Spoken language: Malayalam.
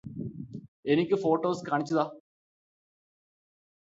എനിക്ക് ഫോട്ടോസ് കാണിച്ചു താ